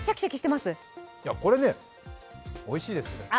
これね、おいしいです。